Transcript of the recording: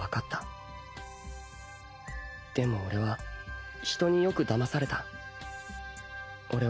圓任皺兇人によくだまされた